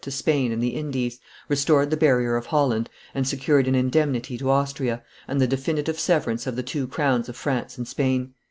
to Spain and the Indies, restored the barrier of Holland, and secured an indemnity to Austria, and the definitive severance of the two crowns of France and Spain.